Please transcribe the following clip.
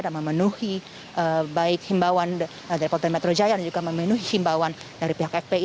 dan memenuhi baik himbauan dari polda metro jaya dan juga memenuhi himbauan dari pihak fpi